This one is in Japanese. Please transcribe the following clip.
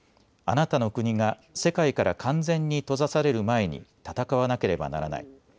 あなたの国が世界から完全に閉ざされる前に戦わなければならない。